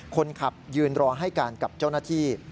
คนขับยืนรอให้การกับเจ้าหน้าที่